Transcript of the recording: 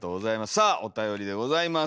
さあおたよりでございます。